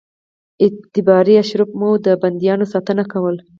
اعتباري اشرافو به د بندیانو ساتنه کوله.